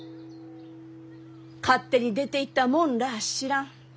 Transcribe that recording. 勝手に出ていった者らあ知らん。